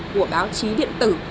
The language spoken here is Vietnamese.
của báo chí điện tử